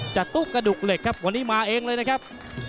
ตุ๊กกระดูกเหล็กครับวันนี้มาเองเลยนะครับ